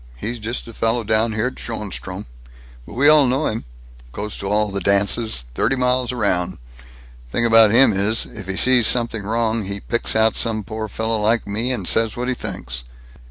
He's just a fellow down here at Schoenstrom. But we all know him. Goes to all the dances, thirty miles around. Thing about him is: if he sees something wrong, he picks out some poor fellow like me, and says what he thinks."